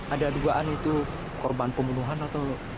ada dugaan itu korban pembunuhan atau